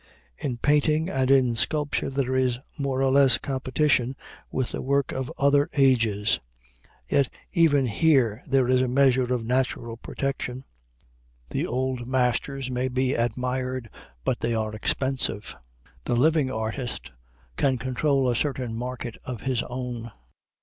In painting and in sculpture there is more or less competition with the work of other ages. Yet even here there is a measure of natural protection. The old masters may be admired, but they are expensive. The living artist can control a certain market of his own.